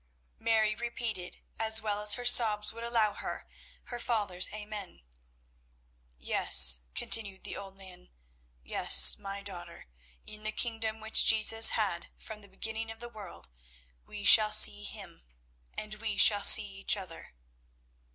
Mary repeated, as well as her sobs would allow her, her father's Amen. "Yes," continued the old man, "yes, my daughter, in the kingdom which Jesus had from the beginning of the world, we shall see Him, and we shall see each other."